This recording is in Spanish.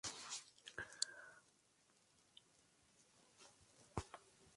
Ambos son supervisados por la Junta de Monumentos Nacionales.